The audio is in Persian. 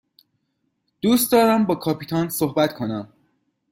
دوست دارم با کاپیتان صحبت کنم.